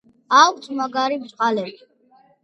აქვთ მაგარი ბრჭყალები.